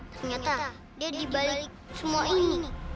ternyata dia dibalik semua ini nih